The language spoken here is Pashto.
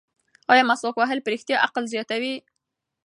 ایا مسواک وهل په رښتیا عقل زیاتوي؟